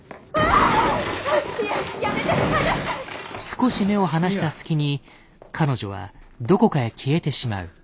少し目を離した隙に彼女はどこかへ消えてしまう。